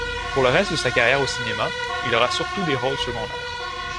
Pour le reste de sa carrière, au cinéma, il aura surtout des rôles secondaires.